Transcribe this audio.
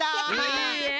いいえ！